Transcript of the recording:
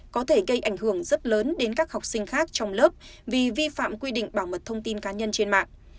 có thể gây ảnh hưởng rất lớn đến các học sinh khác trong lớp vì vi phạm quy định bảo mật thông tin cá nhân trên mạng